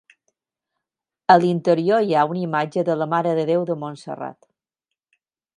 A l'interior hi ha una imatge de la Mare de Déu de Montserrat.